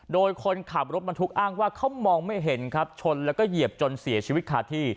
โดยคนขับรถบรรทุกอ้างว่าเขามองไม่เห็นครับชนแล้วก็เหยียบจนเสียชีวิตคาที่